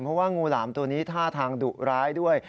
เพราะว่างูหลามตัวนี้ท่าทางดุร้ายด้วย